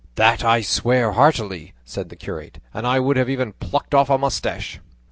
"That I swear heartily," said the curate, "and I would have even plucked off a moustache."